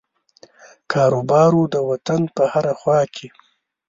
کاروبار وو د وطن په هره خوا کې.